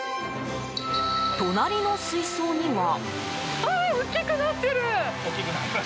隣の水槽には。